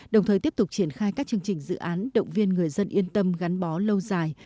đồng thời tiếp tục triển khai các chương trình dự án động viên người dân yên tâm gắn bó lâu dài